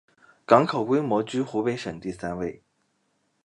港口规模居湖北省第三位。